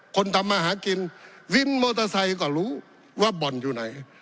ทำมาหากินวินมอเตอร์ไซค์ก็รู้ว่าบ่อนอยู่ไหน